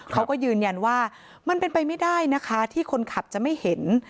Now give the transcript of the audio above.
เขาก็ยืนยันว่ามันเป็นไปไม่ได้นะคะที่คนขับจะไม่เห็น